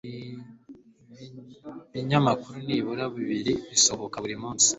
binyamakuru nibura bibiri bisohoka buri munsi